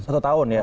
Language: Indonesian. satu tahun ya